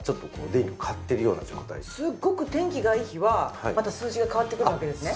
すっごく天気がいい日はまた数字が変わってくるわけですね。